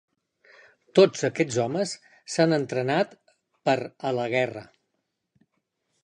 Tots aquests homes s'han entrenat per a la guerra.